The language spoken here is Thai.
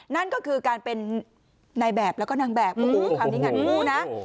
นั่นก็คือการเป็นนายแบบแล้วก็นางแบบคำนี้อย่างนี้นะ